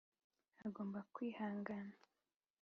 agomba kwihangana